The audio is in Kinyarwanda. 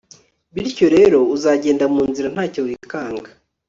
bityo rero, uzagenda mu nzira nta cyo wikanga,